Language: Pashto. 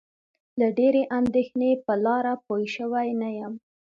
له ډېرې اندېښنې په لاره پوی شوی نه یم.